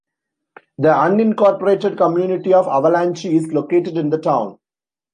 The unincorporated community of Avalanche is located in the town.